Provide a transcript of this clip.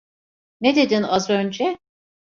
Ne dedin az önce?